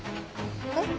えっ？